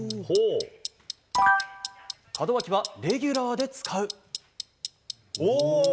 門脇はレギュラーで使う。